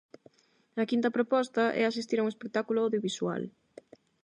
A quinta proposta é asistir a un espectáculo audiovisual.